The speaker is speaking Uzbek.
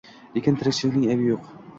Lekin tirikchilikding aybi jo‘q